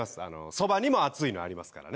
そばにも熱いのありますからね。